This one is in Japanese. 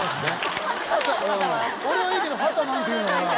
「俺はいいけどＨＡＴＡ何て言うのかな」